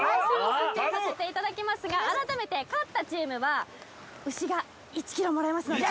発表させていただきますが改めて勝ったチームは牛が１ｋｇもらえますので・１ｋｇ！